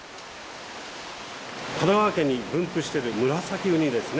神奈川県に分布してるムラサキウニですね。